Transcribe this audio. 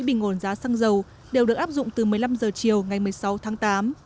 bình ổn giá xăng dầu đều được áp dụng từ một mươi năm h chiều ngày một mươi sáu tháng tám